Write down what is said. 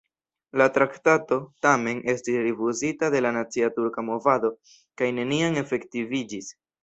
La traktato, tamen, estis rifuzita de la nacia turka movado kaj neniam efektiviĝis.